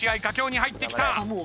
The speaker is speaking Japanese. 佳境に入ってきた。